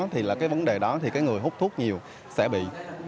thì là cái vấn đề đó thì cái người hút thuốc nhiều sẽ bị